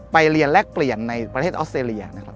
ไปเรียนแลกเปลี่ยนในประเทศออสเตรเลียนะครับ